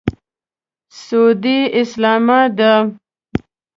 سعودي اسلامه دی.